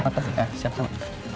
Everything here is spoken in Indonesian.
apa sih eh siap sama